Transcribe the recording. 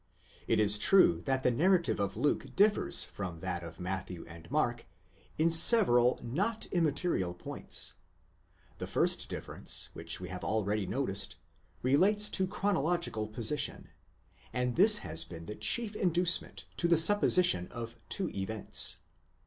It is true that the narrative of Luke differs from that of Matthew and Mark, in several not immaterial points, The first difference, which we have already noticed, relates to chronological position, and this has been the chief inducement to the supposition of two events.